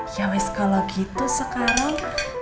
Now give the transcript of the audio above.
ya wes kalo gitu sekarang